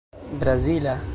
brazila